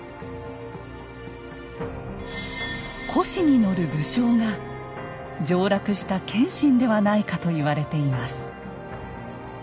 輿に乗る武将が上洛した謙信ではないかと言われています。